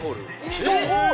１ホール？